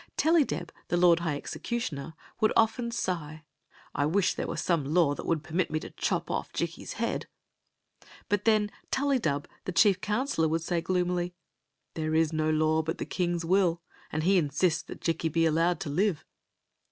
Tellydeb, the lord high executioner, would often sigh :" I wish there were some law that would per mit me to chop off Jikki's head. But then TuUy dub, the chief counselor, would say gloomily : "There is no law but the kings will, and he insists that Jikki be allowed to live."